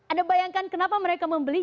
anda bayangkan kenapa mereka membeli